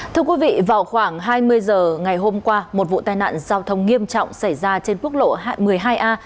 thưa quý vị vào khoảng hai mươi h ngày hôm qua một vụ tai nạn giao thông nghiêm trọng xảy ra trên quốc lộ một mươi hai a